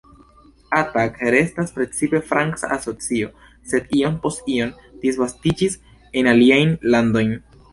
Attac restas precipe franca asocio sed iom post iom disvastiĝis en aliajn landojn.